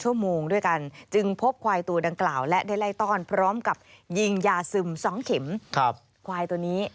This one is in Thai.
ชั่วโมงด้วยกันจึงพบควายตัวดังกล่าวและได้ไล่ต้อนพร้อมกับยิงยาซึม๒เข็มควายตัวนี้